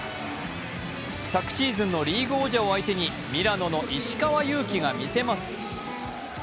昨シーズンのリーグ王者を相手にミラノの石川祐希が見せます。